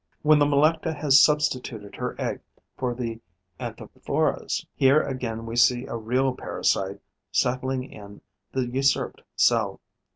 When the Melecta has substituted her egg for the Anthophora's, here again we see a real parasite settling in the usurped cell.